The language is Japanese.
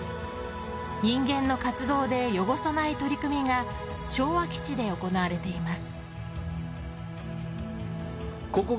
人間の活動で汚さない取り組みが昭和基地で行われています。